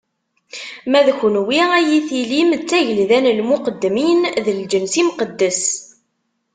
Ma d kenwi, ad yi-tilim d tagelda n lmuqeddmin, d lǧens imqeddes.